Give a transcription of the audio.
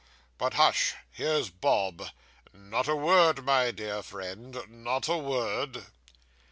But, hush, here's Bob. Not a word, my dear friend, not a word.